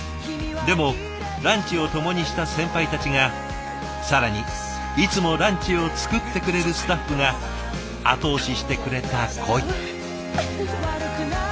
でもランチを共にした先輩たちが更にいつもランチを作ってくれるスタッフが後押ししてくれた恋。